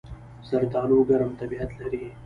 زردالو ګرم طبیعت لري.